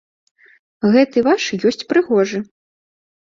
Гэты ваш ёсць прыгожы.